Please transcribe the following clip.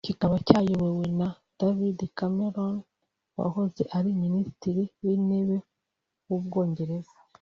kikaba cyayobowe na David Cameron wahoze ari Minisitiri w’Intebe w’u Bwongereza